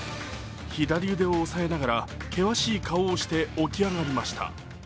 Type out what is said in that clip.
左腕を押さえながら険しい顔をして起き上がりました。